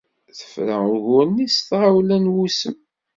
Tefra ugur-nni s tɣawla n wusem.